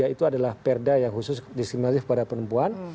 tiga ratus tiga puluh tiga itu adalah perda yang khusus diskriminatif pada perempuan